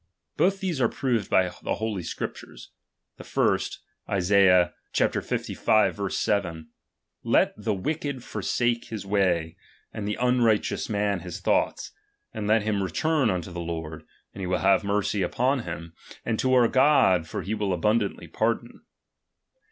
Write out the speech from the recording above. Both these are proved by the Holy Scriptures. The first (Isaiah lv.7) : Let the wicked forsake his my, and the unrighteous man his thoughts, and let chap, iv. kirn return unto the Lord, and he will have mercy ''' upon him ; and to our God, for he will abundantly pardon.